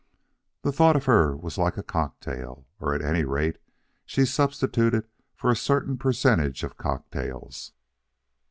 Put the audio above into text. The thought of her was like a cocktail. Or, at any rate, she substituted for a certain percentage of cocktails.